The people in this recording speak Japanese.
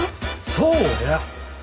そうや。